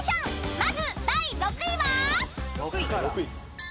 ［まず第６位は］